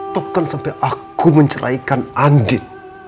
tepukkan sampai aku menceraikan andin